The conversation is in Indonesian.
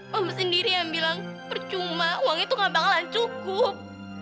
mama sendiri yang bilang percuma uang itu gak bakalan cukup